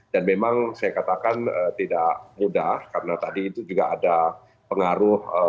dan memang saya katakan tidak mudah karena tadi itu juga ada pengaruh